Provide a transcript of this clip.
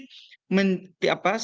semakin berisik untuk mendanai